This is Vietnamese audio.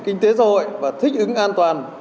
kinh tế xã hội và thích ứng an toàn